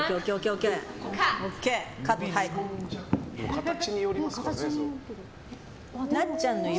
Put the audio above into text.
形によりますからね。